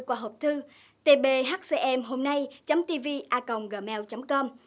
qua hộp thư tbhcmhômnay tvaconggmail com